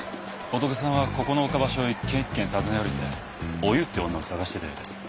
仏さんはここの岡場所を一軒一軒訪ね歩いてお夕っていう女を捜してたようです。